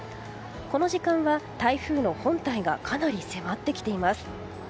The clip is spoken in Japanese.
この時間は、台風の本体がかなり迫ってきています。